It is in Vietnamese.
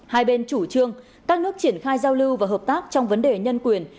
hai bên chủ trương các nước triển khai giao lưu và hợp tác trong vấn đề nhân quyền